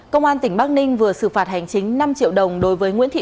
công an tỉnh bắc ninh vừa xử phạt hành chính năm triệu đồng đối với nguyễn thị